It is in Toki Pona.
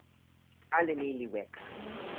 ale ni li weka.